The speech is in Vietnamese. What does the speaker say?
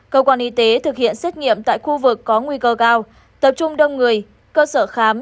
cơ quan y tế thực hiện xét nghiệm tại khu vực có nguy cơ cao tập trung đông người cơ sở khám